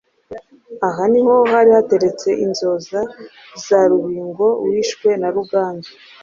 Aha niho hari hateretse inzoza za Rubingo wishwe na Ruganzu